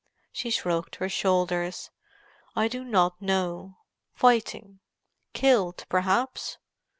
She shrugged her shoulders. "I do not know. Fighting: killed, perhaps.